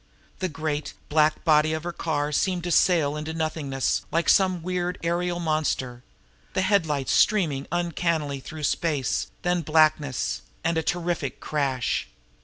The great, black body of her car seemed to sail out into nothingness like some weird aerial monster, the headlights streaming uncannily through space then blackness and a terrific crash.